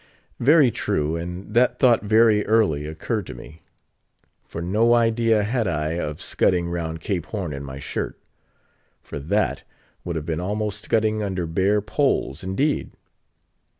Very true; and that thought very early occurred to me; for no idea had I of scudding round Cape Horn in my shirt; for that would have been almost scudding under bare poles, indeed.